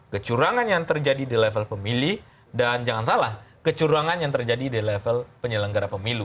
kecurangan yang terjadi di level pemilih dan jangan salah kecurangan yang terjadi di level penyelenggara pemilu